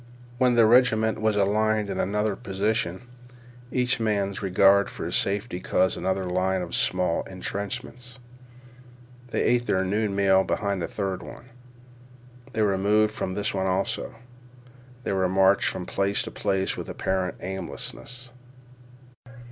When the regiment was aligned in another position each man's regard for his safety caused another line of small intrenchments. They ate their noon meal behind a third one. They were moved from this one also. They were marched from place to place with apparent aimlessness.